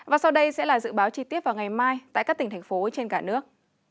và sau đây sẽ là dự báo chi tiết vào ngày mai tại các tỉnh thành phố trên cả nước